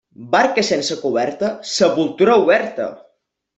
Barca sense coberta, sepultura oberta.